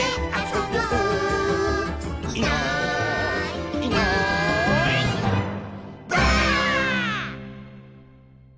「いないいないばあっ！」